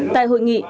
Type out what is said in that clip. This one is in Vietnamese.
tại hội nghị